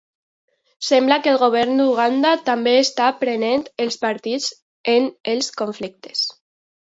Sembla que el govern d'Uganda també està prenent partit en els conflictes.